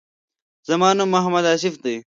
زما نوم محمد آصف دی.